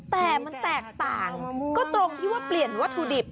แต่มันแตกต่างก็ตรงที่ว่าเปลี่ยนวัตถุดิบ